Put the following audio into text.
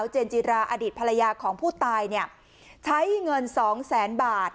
เจนจิราอดีตภรรยาของผู้ตายใช้เงิน๒แสนบาท